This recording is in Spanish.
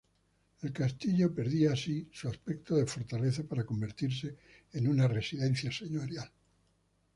El castillo perdía, así, su aspecto de fortaleza para convertirse en una residencia señorial.